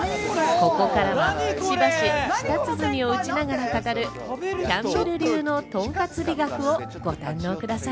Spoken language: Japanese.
ここからはしばし舌鼓を打ちながら語るキャンベル流のとんかつ美学をご堪能ください。